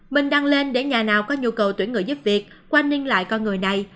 mình đăng lên để nhà nào có nhu cầu tuyển người giúp việc quanh ninh lại con người này